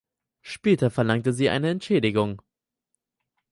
Später verlangte sie eine Entschädigung.